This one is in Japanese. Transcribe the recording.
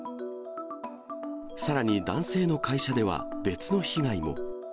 さらに男性の会社では別の被害も。